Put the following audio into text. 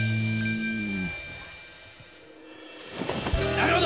⁉なるほど！